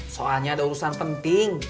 soalnya ada urusan penting